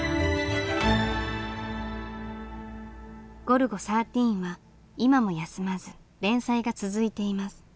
「ゴルゴ１３」は今も休まず連載が続いています。